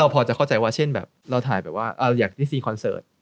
พอจะเข้าใจว่าเช่นแบบเราถ่ายแบบว่าอยากได้ซีคอนเสิร์ต